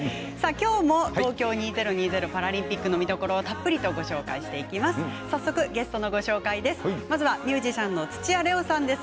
きょうも東京２０２０パラリンピックの見どころをたっぷりとご紹介していきます。